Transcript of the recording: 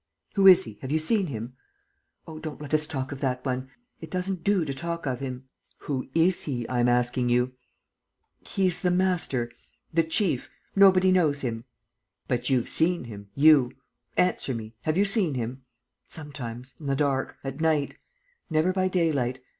"Who is he? Have you seen him?" "Oh, don't let us talk of that one ... it doesn't do to talk of him." "Who is he, I'm asking you." "He is the master ... the chief. ... Nobody knows him." "But you've seen him, you. Answer me. Have you seen him?" "Sometimes, in the dark ... at night. Never by daylight.